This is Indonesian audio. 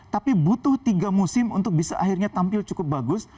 tapi butuh tiga musim untuk bisa akhirnya tampil cukup bagus